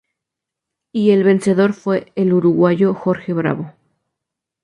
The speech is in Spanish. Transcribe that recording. Y el vencedor fue el uruguayo Jorge Bravo.